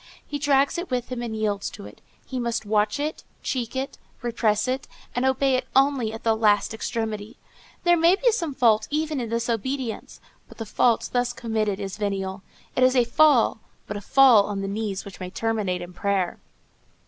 He drags it with him and yields to it. He must watch it, check it, repress it, and obey it only at the last extremity. There may be some fault even in this obedience; but the fault thus committed is venial; it is a fall, but a fall on the knees which may terminate in prayer.